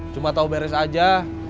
cuma tahu beres aja